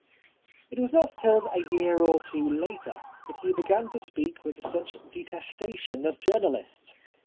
It was not till a year or two later that he began to speak with such detestation of journa lists.